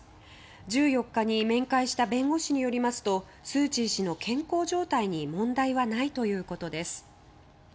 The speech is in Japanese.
１４日に面会した弁護士によりますとスー・チー氏の健康状態に問題はないということです。